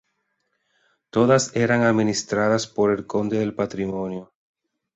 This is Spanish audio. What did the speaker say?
Todas eran administradas por el conde del patrimonio.